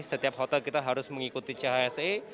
setiap hotel kita harus mengikuti chse